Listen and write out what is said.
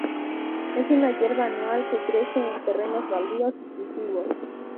Es una hierba anual que crece en terrenos baldíos y cultivos.